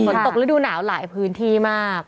ตกฤดูหนาวหลายพื้นที่มาก